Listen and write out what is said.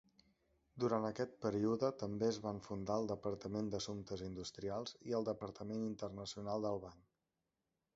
Durant aquest període també es van fundar el departament d'assumptes industrials i el departament internacional del banc.